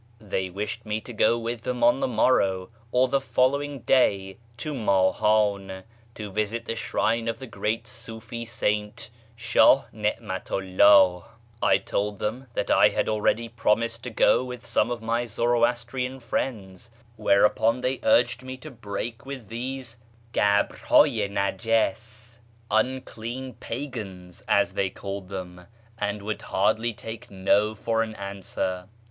They wished me to go with them on the morrow or the following day to Mahan, to visit the shrine of the great Siifi saint. Shah ISTi'matu 'llah. I told them that I had already promised to go with some of my Zoroastrian friends ; whereuiDon they urged me to break with these " gctbr hd yi najis" ("unclean pagans"), AMONGST THE KALANDARS 533 as they called them, and would hardly take "No" for an answer.